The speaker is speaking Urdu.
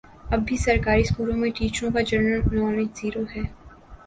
اب بھی سرکاری سکولوں میں ٹیچروں کا جنرل نالج زیرو ہے